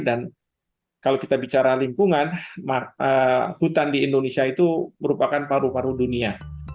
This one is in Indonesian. dan kalau kita bicara lingkungan hutan di indonesia itu merupakan paru paru dunia